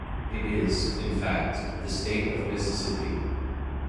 It is, in fact, the State of Mississippi.